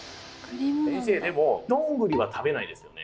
先生でもどんぐりは食べないですよね？